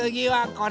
これ？